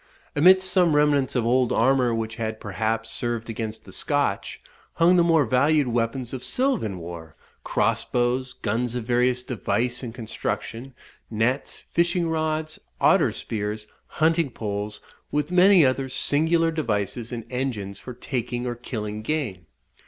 Amidst some remnants of old armour, which had, perhaps, served against the Scotch, hung the more valued weapons of silvan war, cross bows, guns of various device and construction, nets, fishing rods, otter spears, hunting poles, with many other singular devices, and engines for taking or killing game.